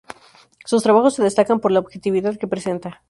Sus trabajos se destacan por la objetividad que presenta.